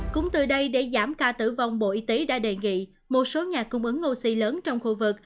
cũng từ đây để giảm ca tử vong bộ y tế đã đề nghị một số nhà cung ứng oxy lớn trong khu vực